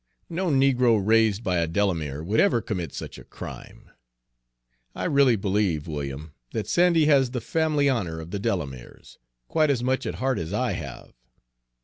No negro raised by a Delamere would ever commit such a crime. I really believe, William, that Sandy has the family honor of the Delameres quite as much at heart as I have.